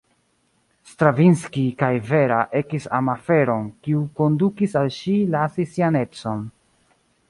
Stravinski kaj Vera ekis amaferon kiu kondukis al ŝi lasi sian edzon.